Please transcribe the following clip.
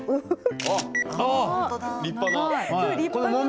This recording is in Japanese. あっ立派な。